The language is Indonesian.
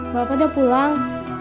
bapak udah pulang